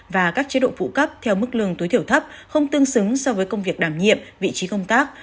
và các chế độ phụ cấp theo mức lương tối thiểu thấp không tương xứng so với công việc đảm nhiệm vị trí công tác